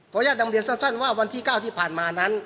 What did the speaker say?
อนุญาตนำเรียนสั้นว่าวันที่๙ที่ผ่านมานั้น